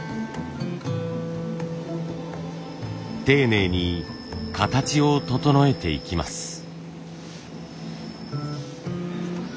丁寧に形を整えていきます。